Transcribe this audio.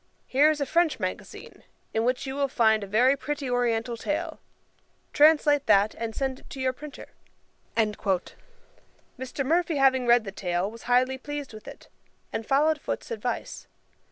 Here is a French magazine, in which you will find a very pretty oriental tale; translate that, and send it to your printer.' Mr. Murphy having read the tale, was highly pleased with it, and followed Foote's advice.